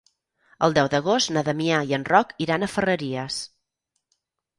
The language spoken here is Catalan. El deu d'agost na Damià i en Roc iran a Ferreries.